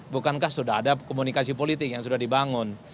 bukankah sudah ada komunikasi politik yang sudah dibangun